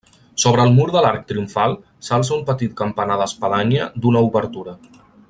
Sobre el mur de l'arc triomfal s'alça un petit campanar d'espadanya d'una obertura.